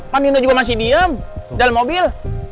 pak nino juga masih diem dalam mobil